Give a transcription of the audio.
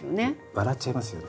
笑っちゃいますよね。